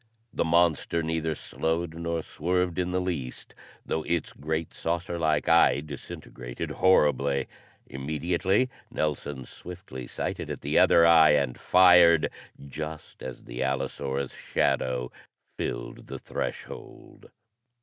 The monster neither slowed nor swerved in the least, though its great, saucer like eye disintegrated horribly. Immediately Nelson swiftly sighted at the other eye and fired, just as the allosaurus' shadow filled the threshold.